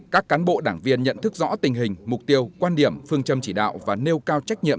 các cán bộ đảng viên nhận thức rõ tình hình mục tiêu quan điểm phương châm chỉ đạo và nêu cao trách nhiệm